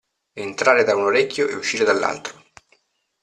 Entrare da un orecchio e uscire dall'altro.